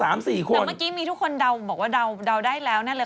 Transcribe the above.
แต่เมื่อกี้มีทุกคนเดาบอกว่าเดาได้แล้วนั่นเลย